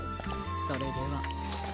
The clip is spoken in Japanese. それでは。